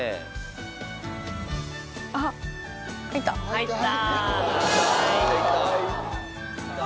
入った。